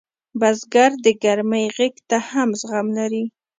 بزګر د ګرمۍ غېږ ته هم زغم لري